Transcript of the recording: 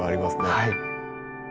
はい。